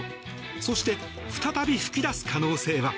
そして、再び噴き出す可能性は？